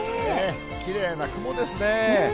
きれいな雲ですね。